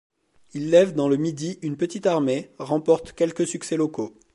Il lève dans le Midi une petite armée, remporte quelques succès locaux.